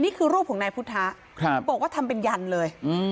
นี่คือรูปของนายพุทธะบอกว่าทำเป็นยันเลย